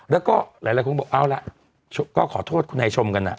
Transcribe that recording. แล้วก็หลายคนก็บอกเอาละก็ขอโทษคุณไอชมกัน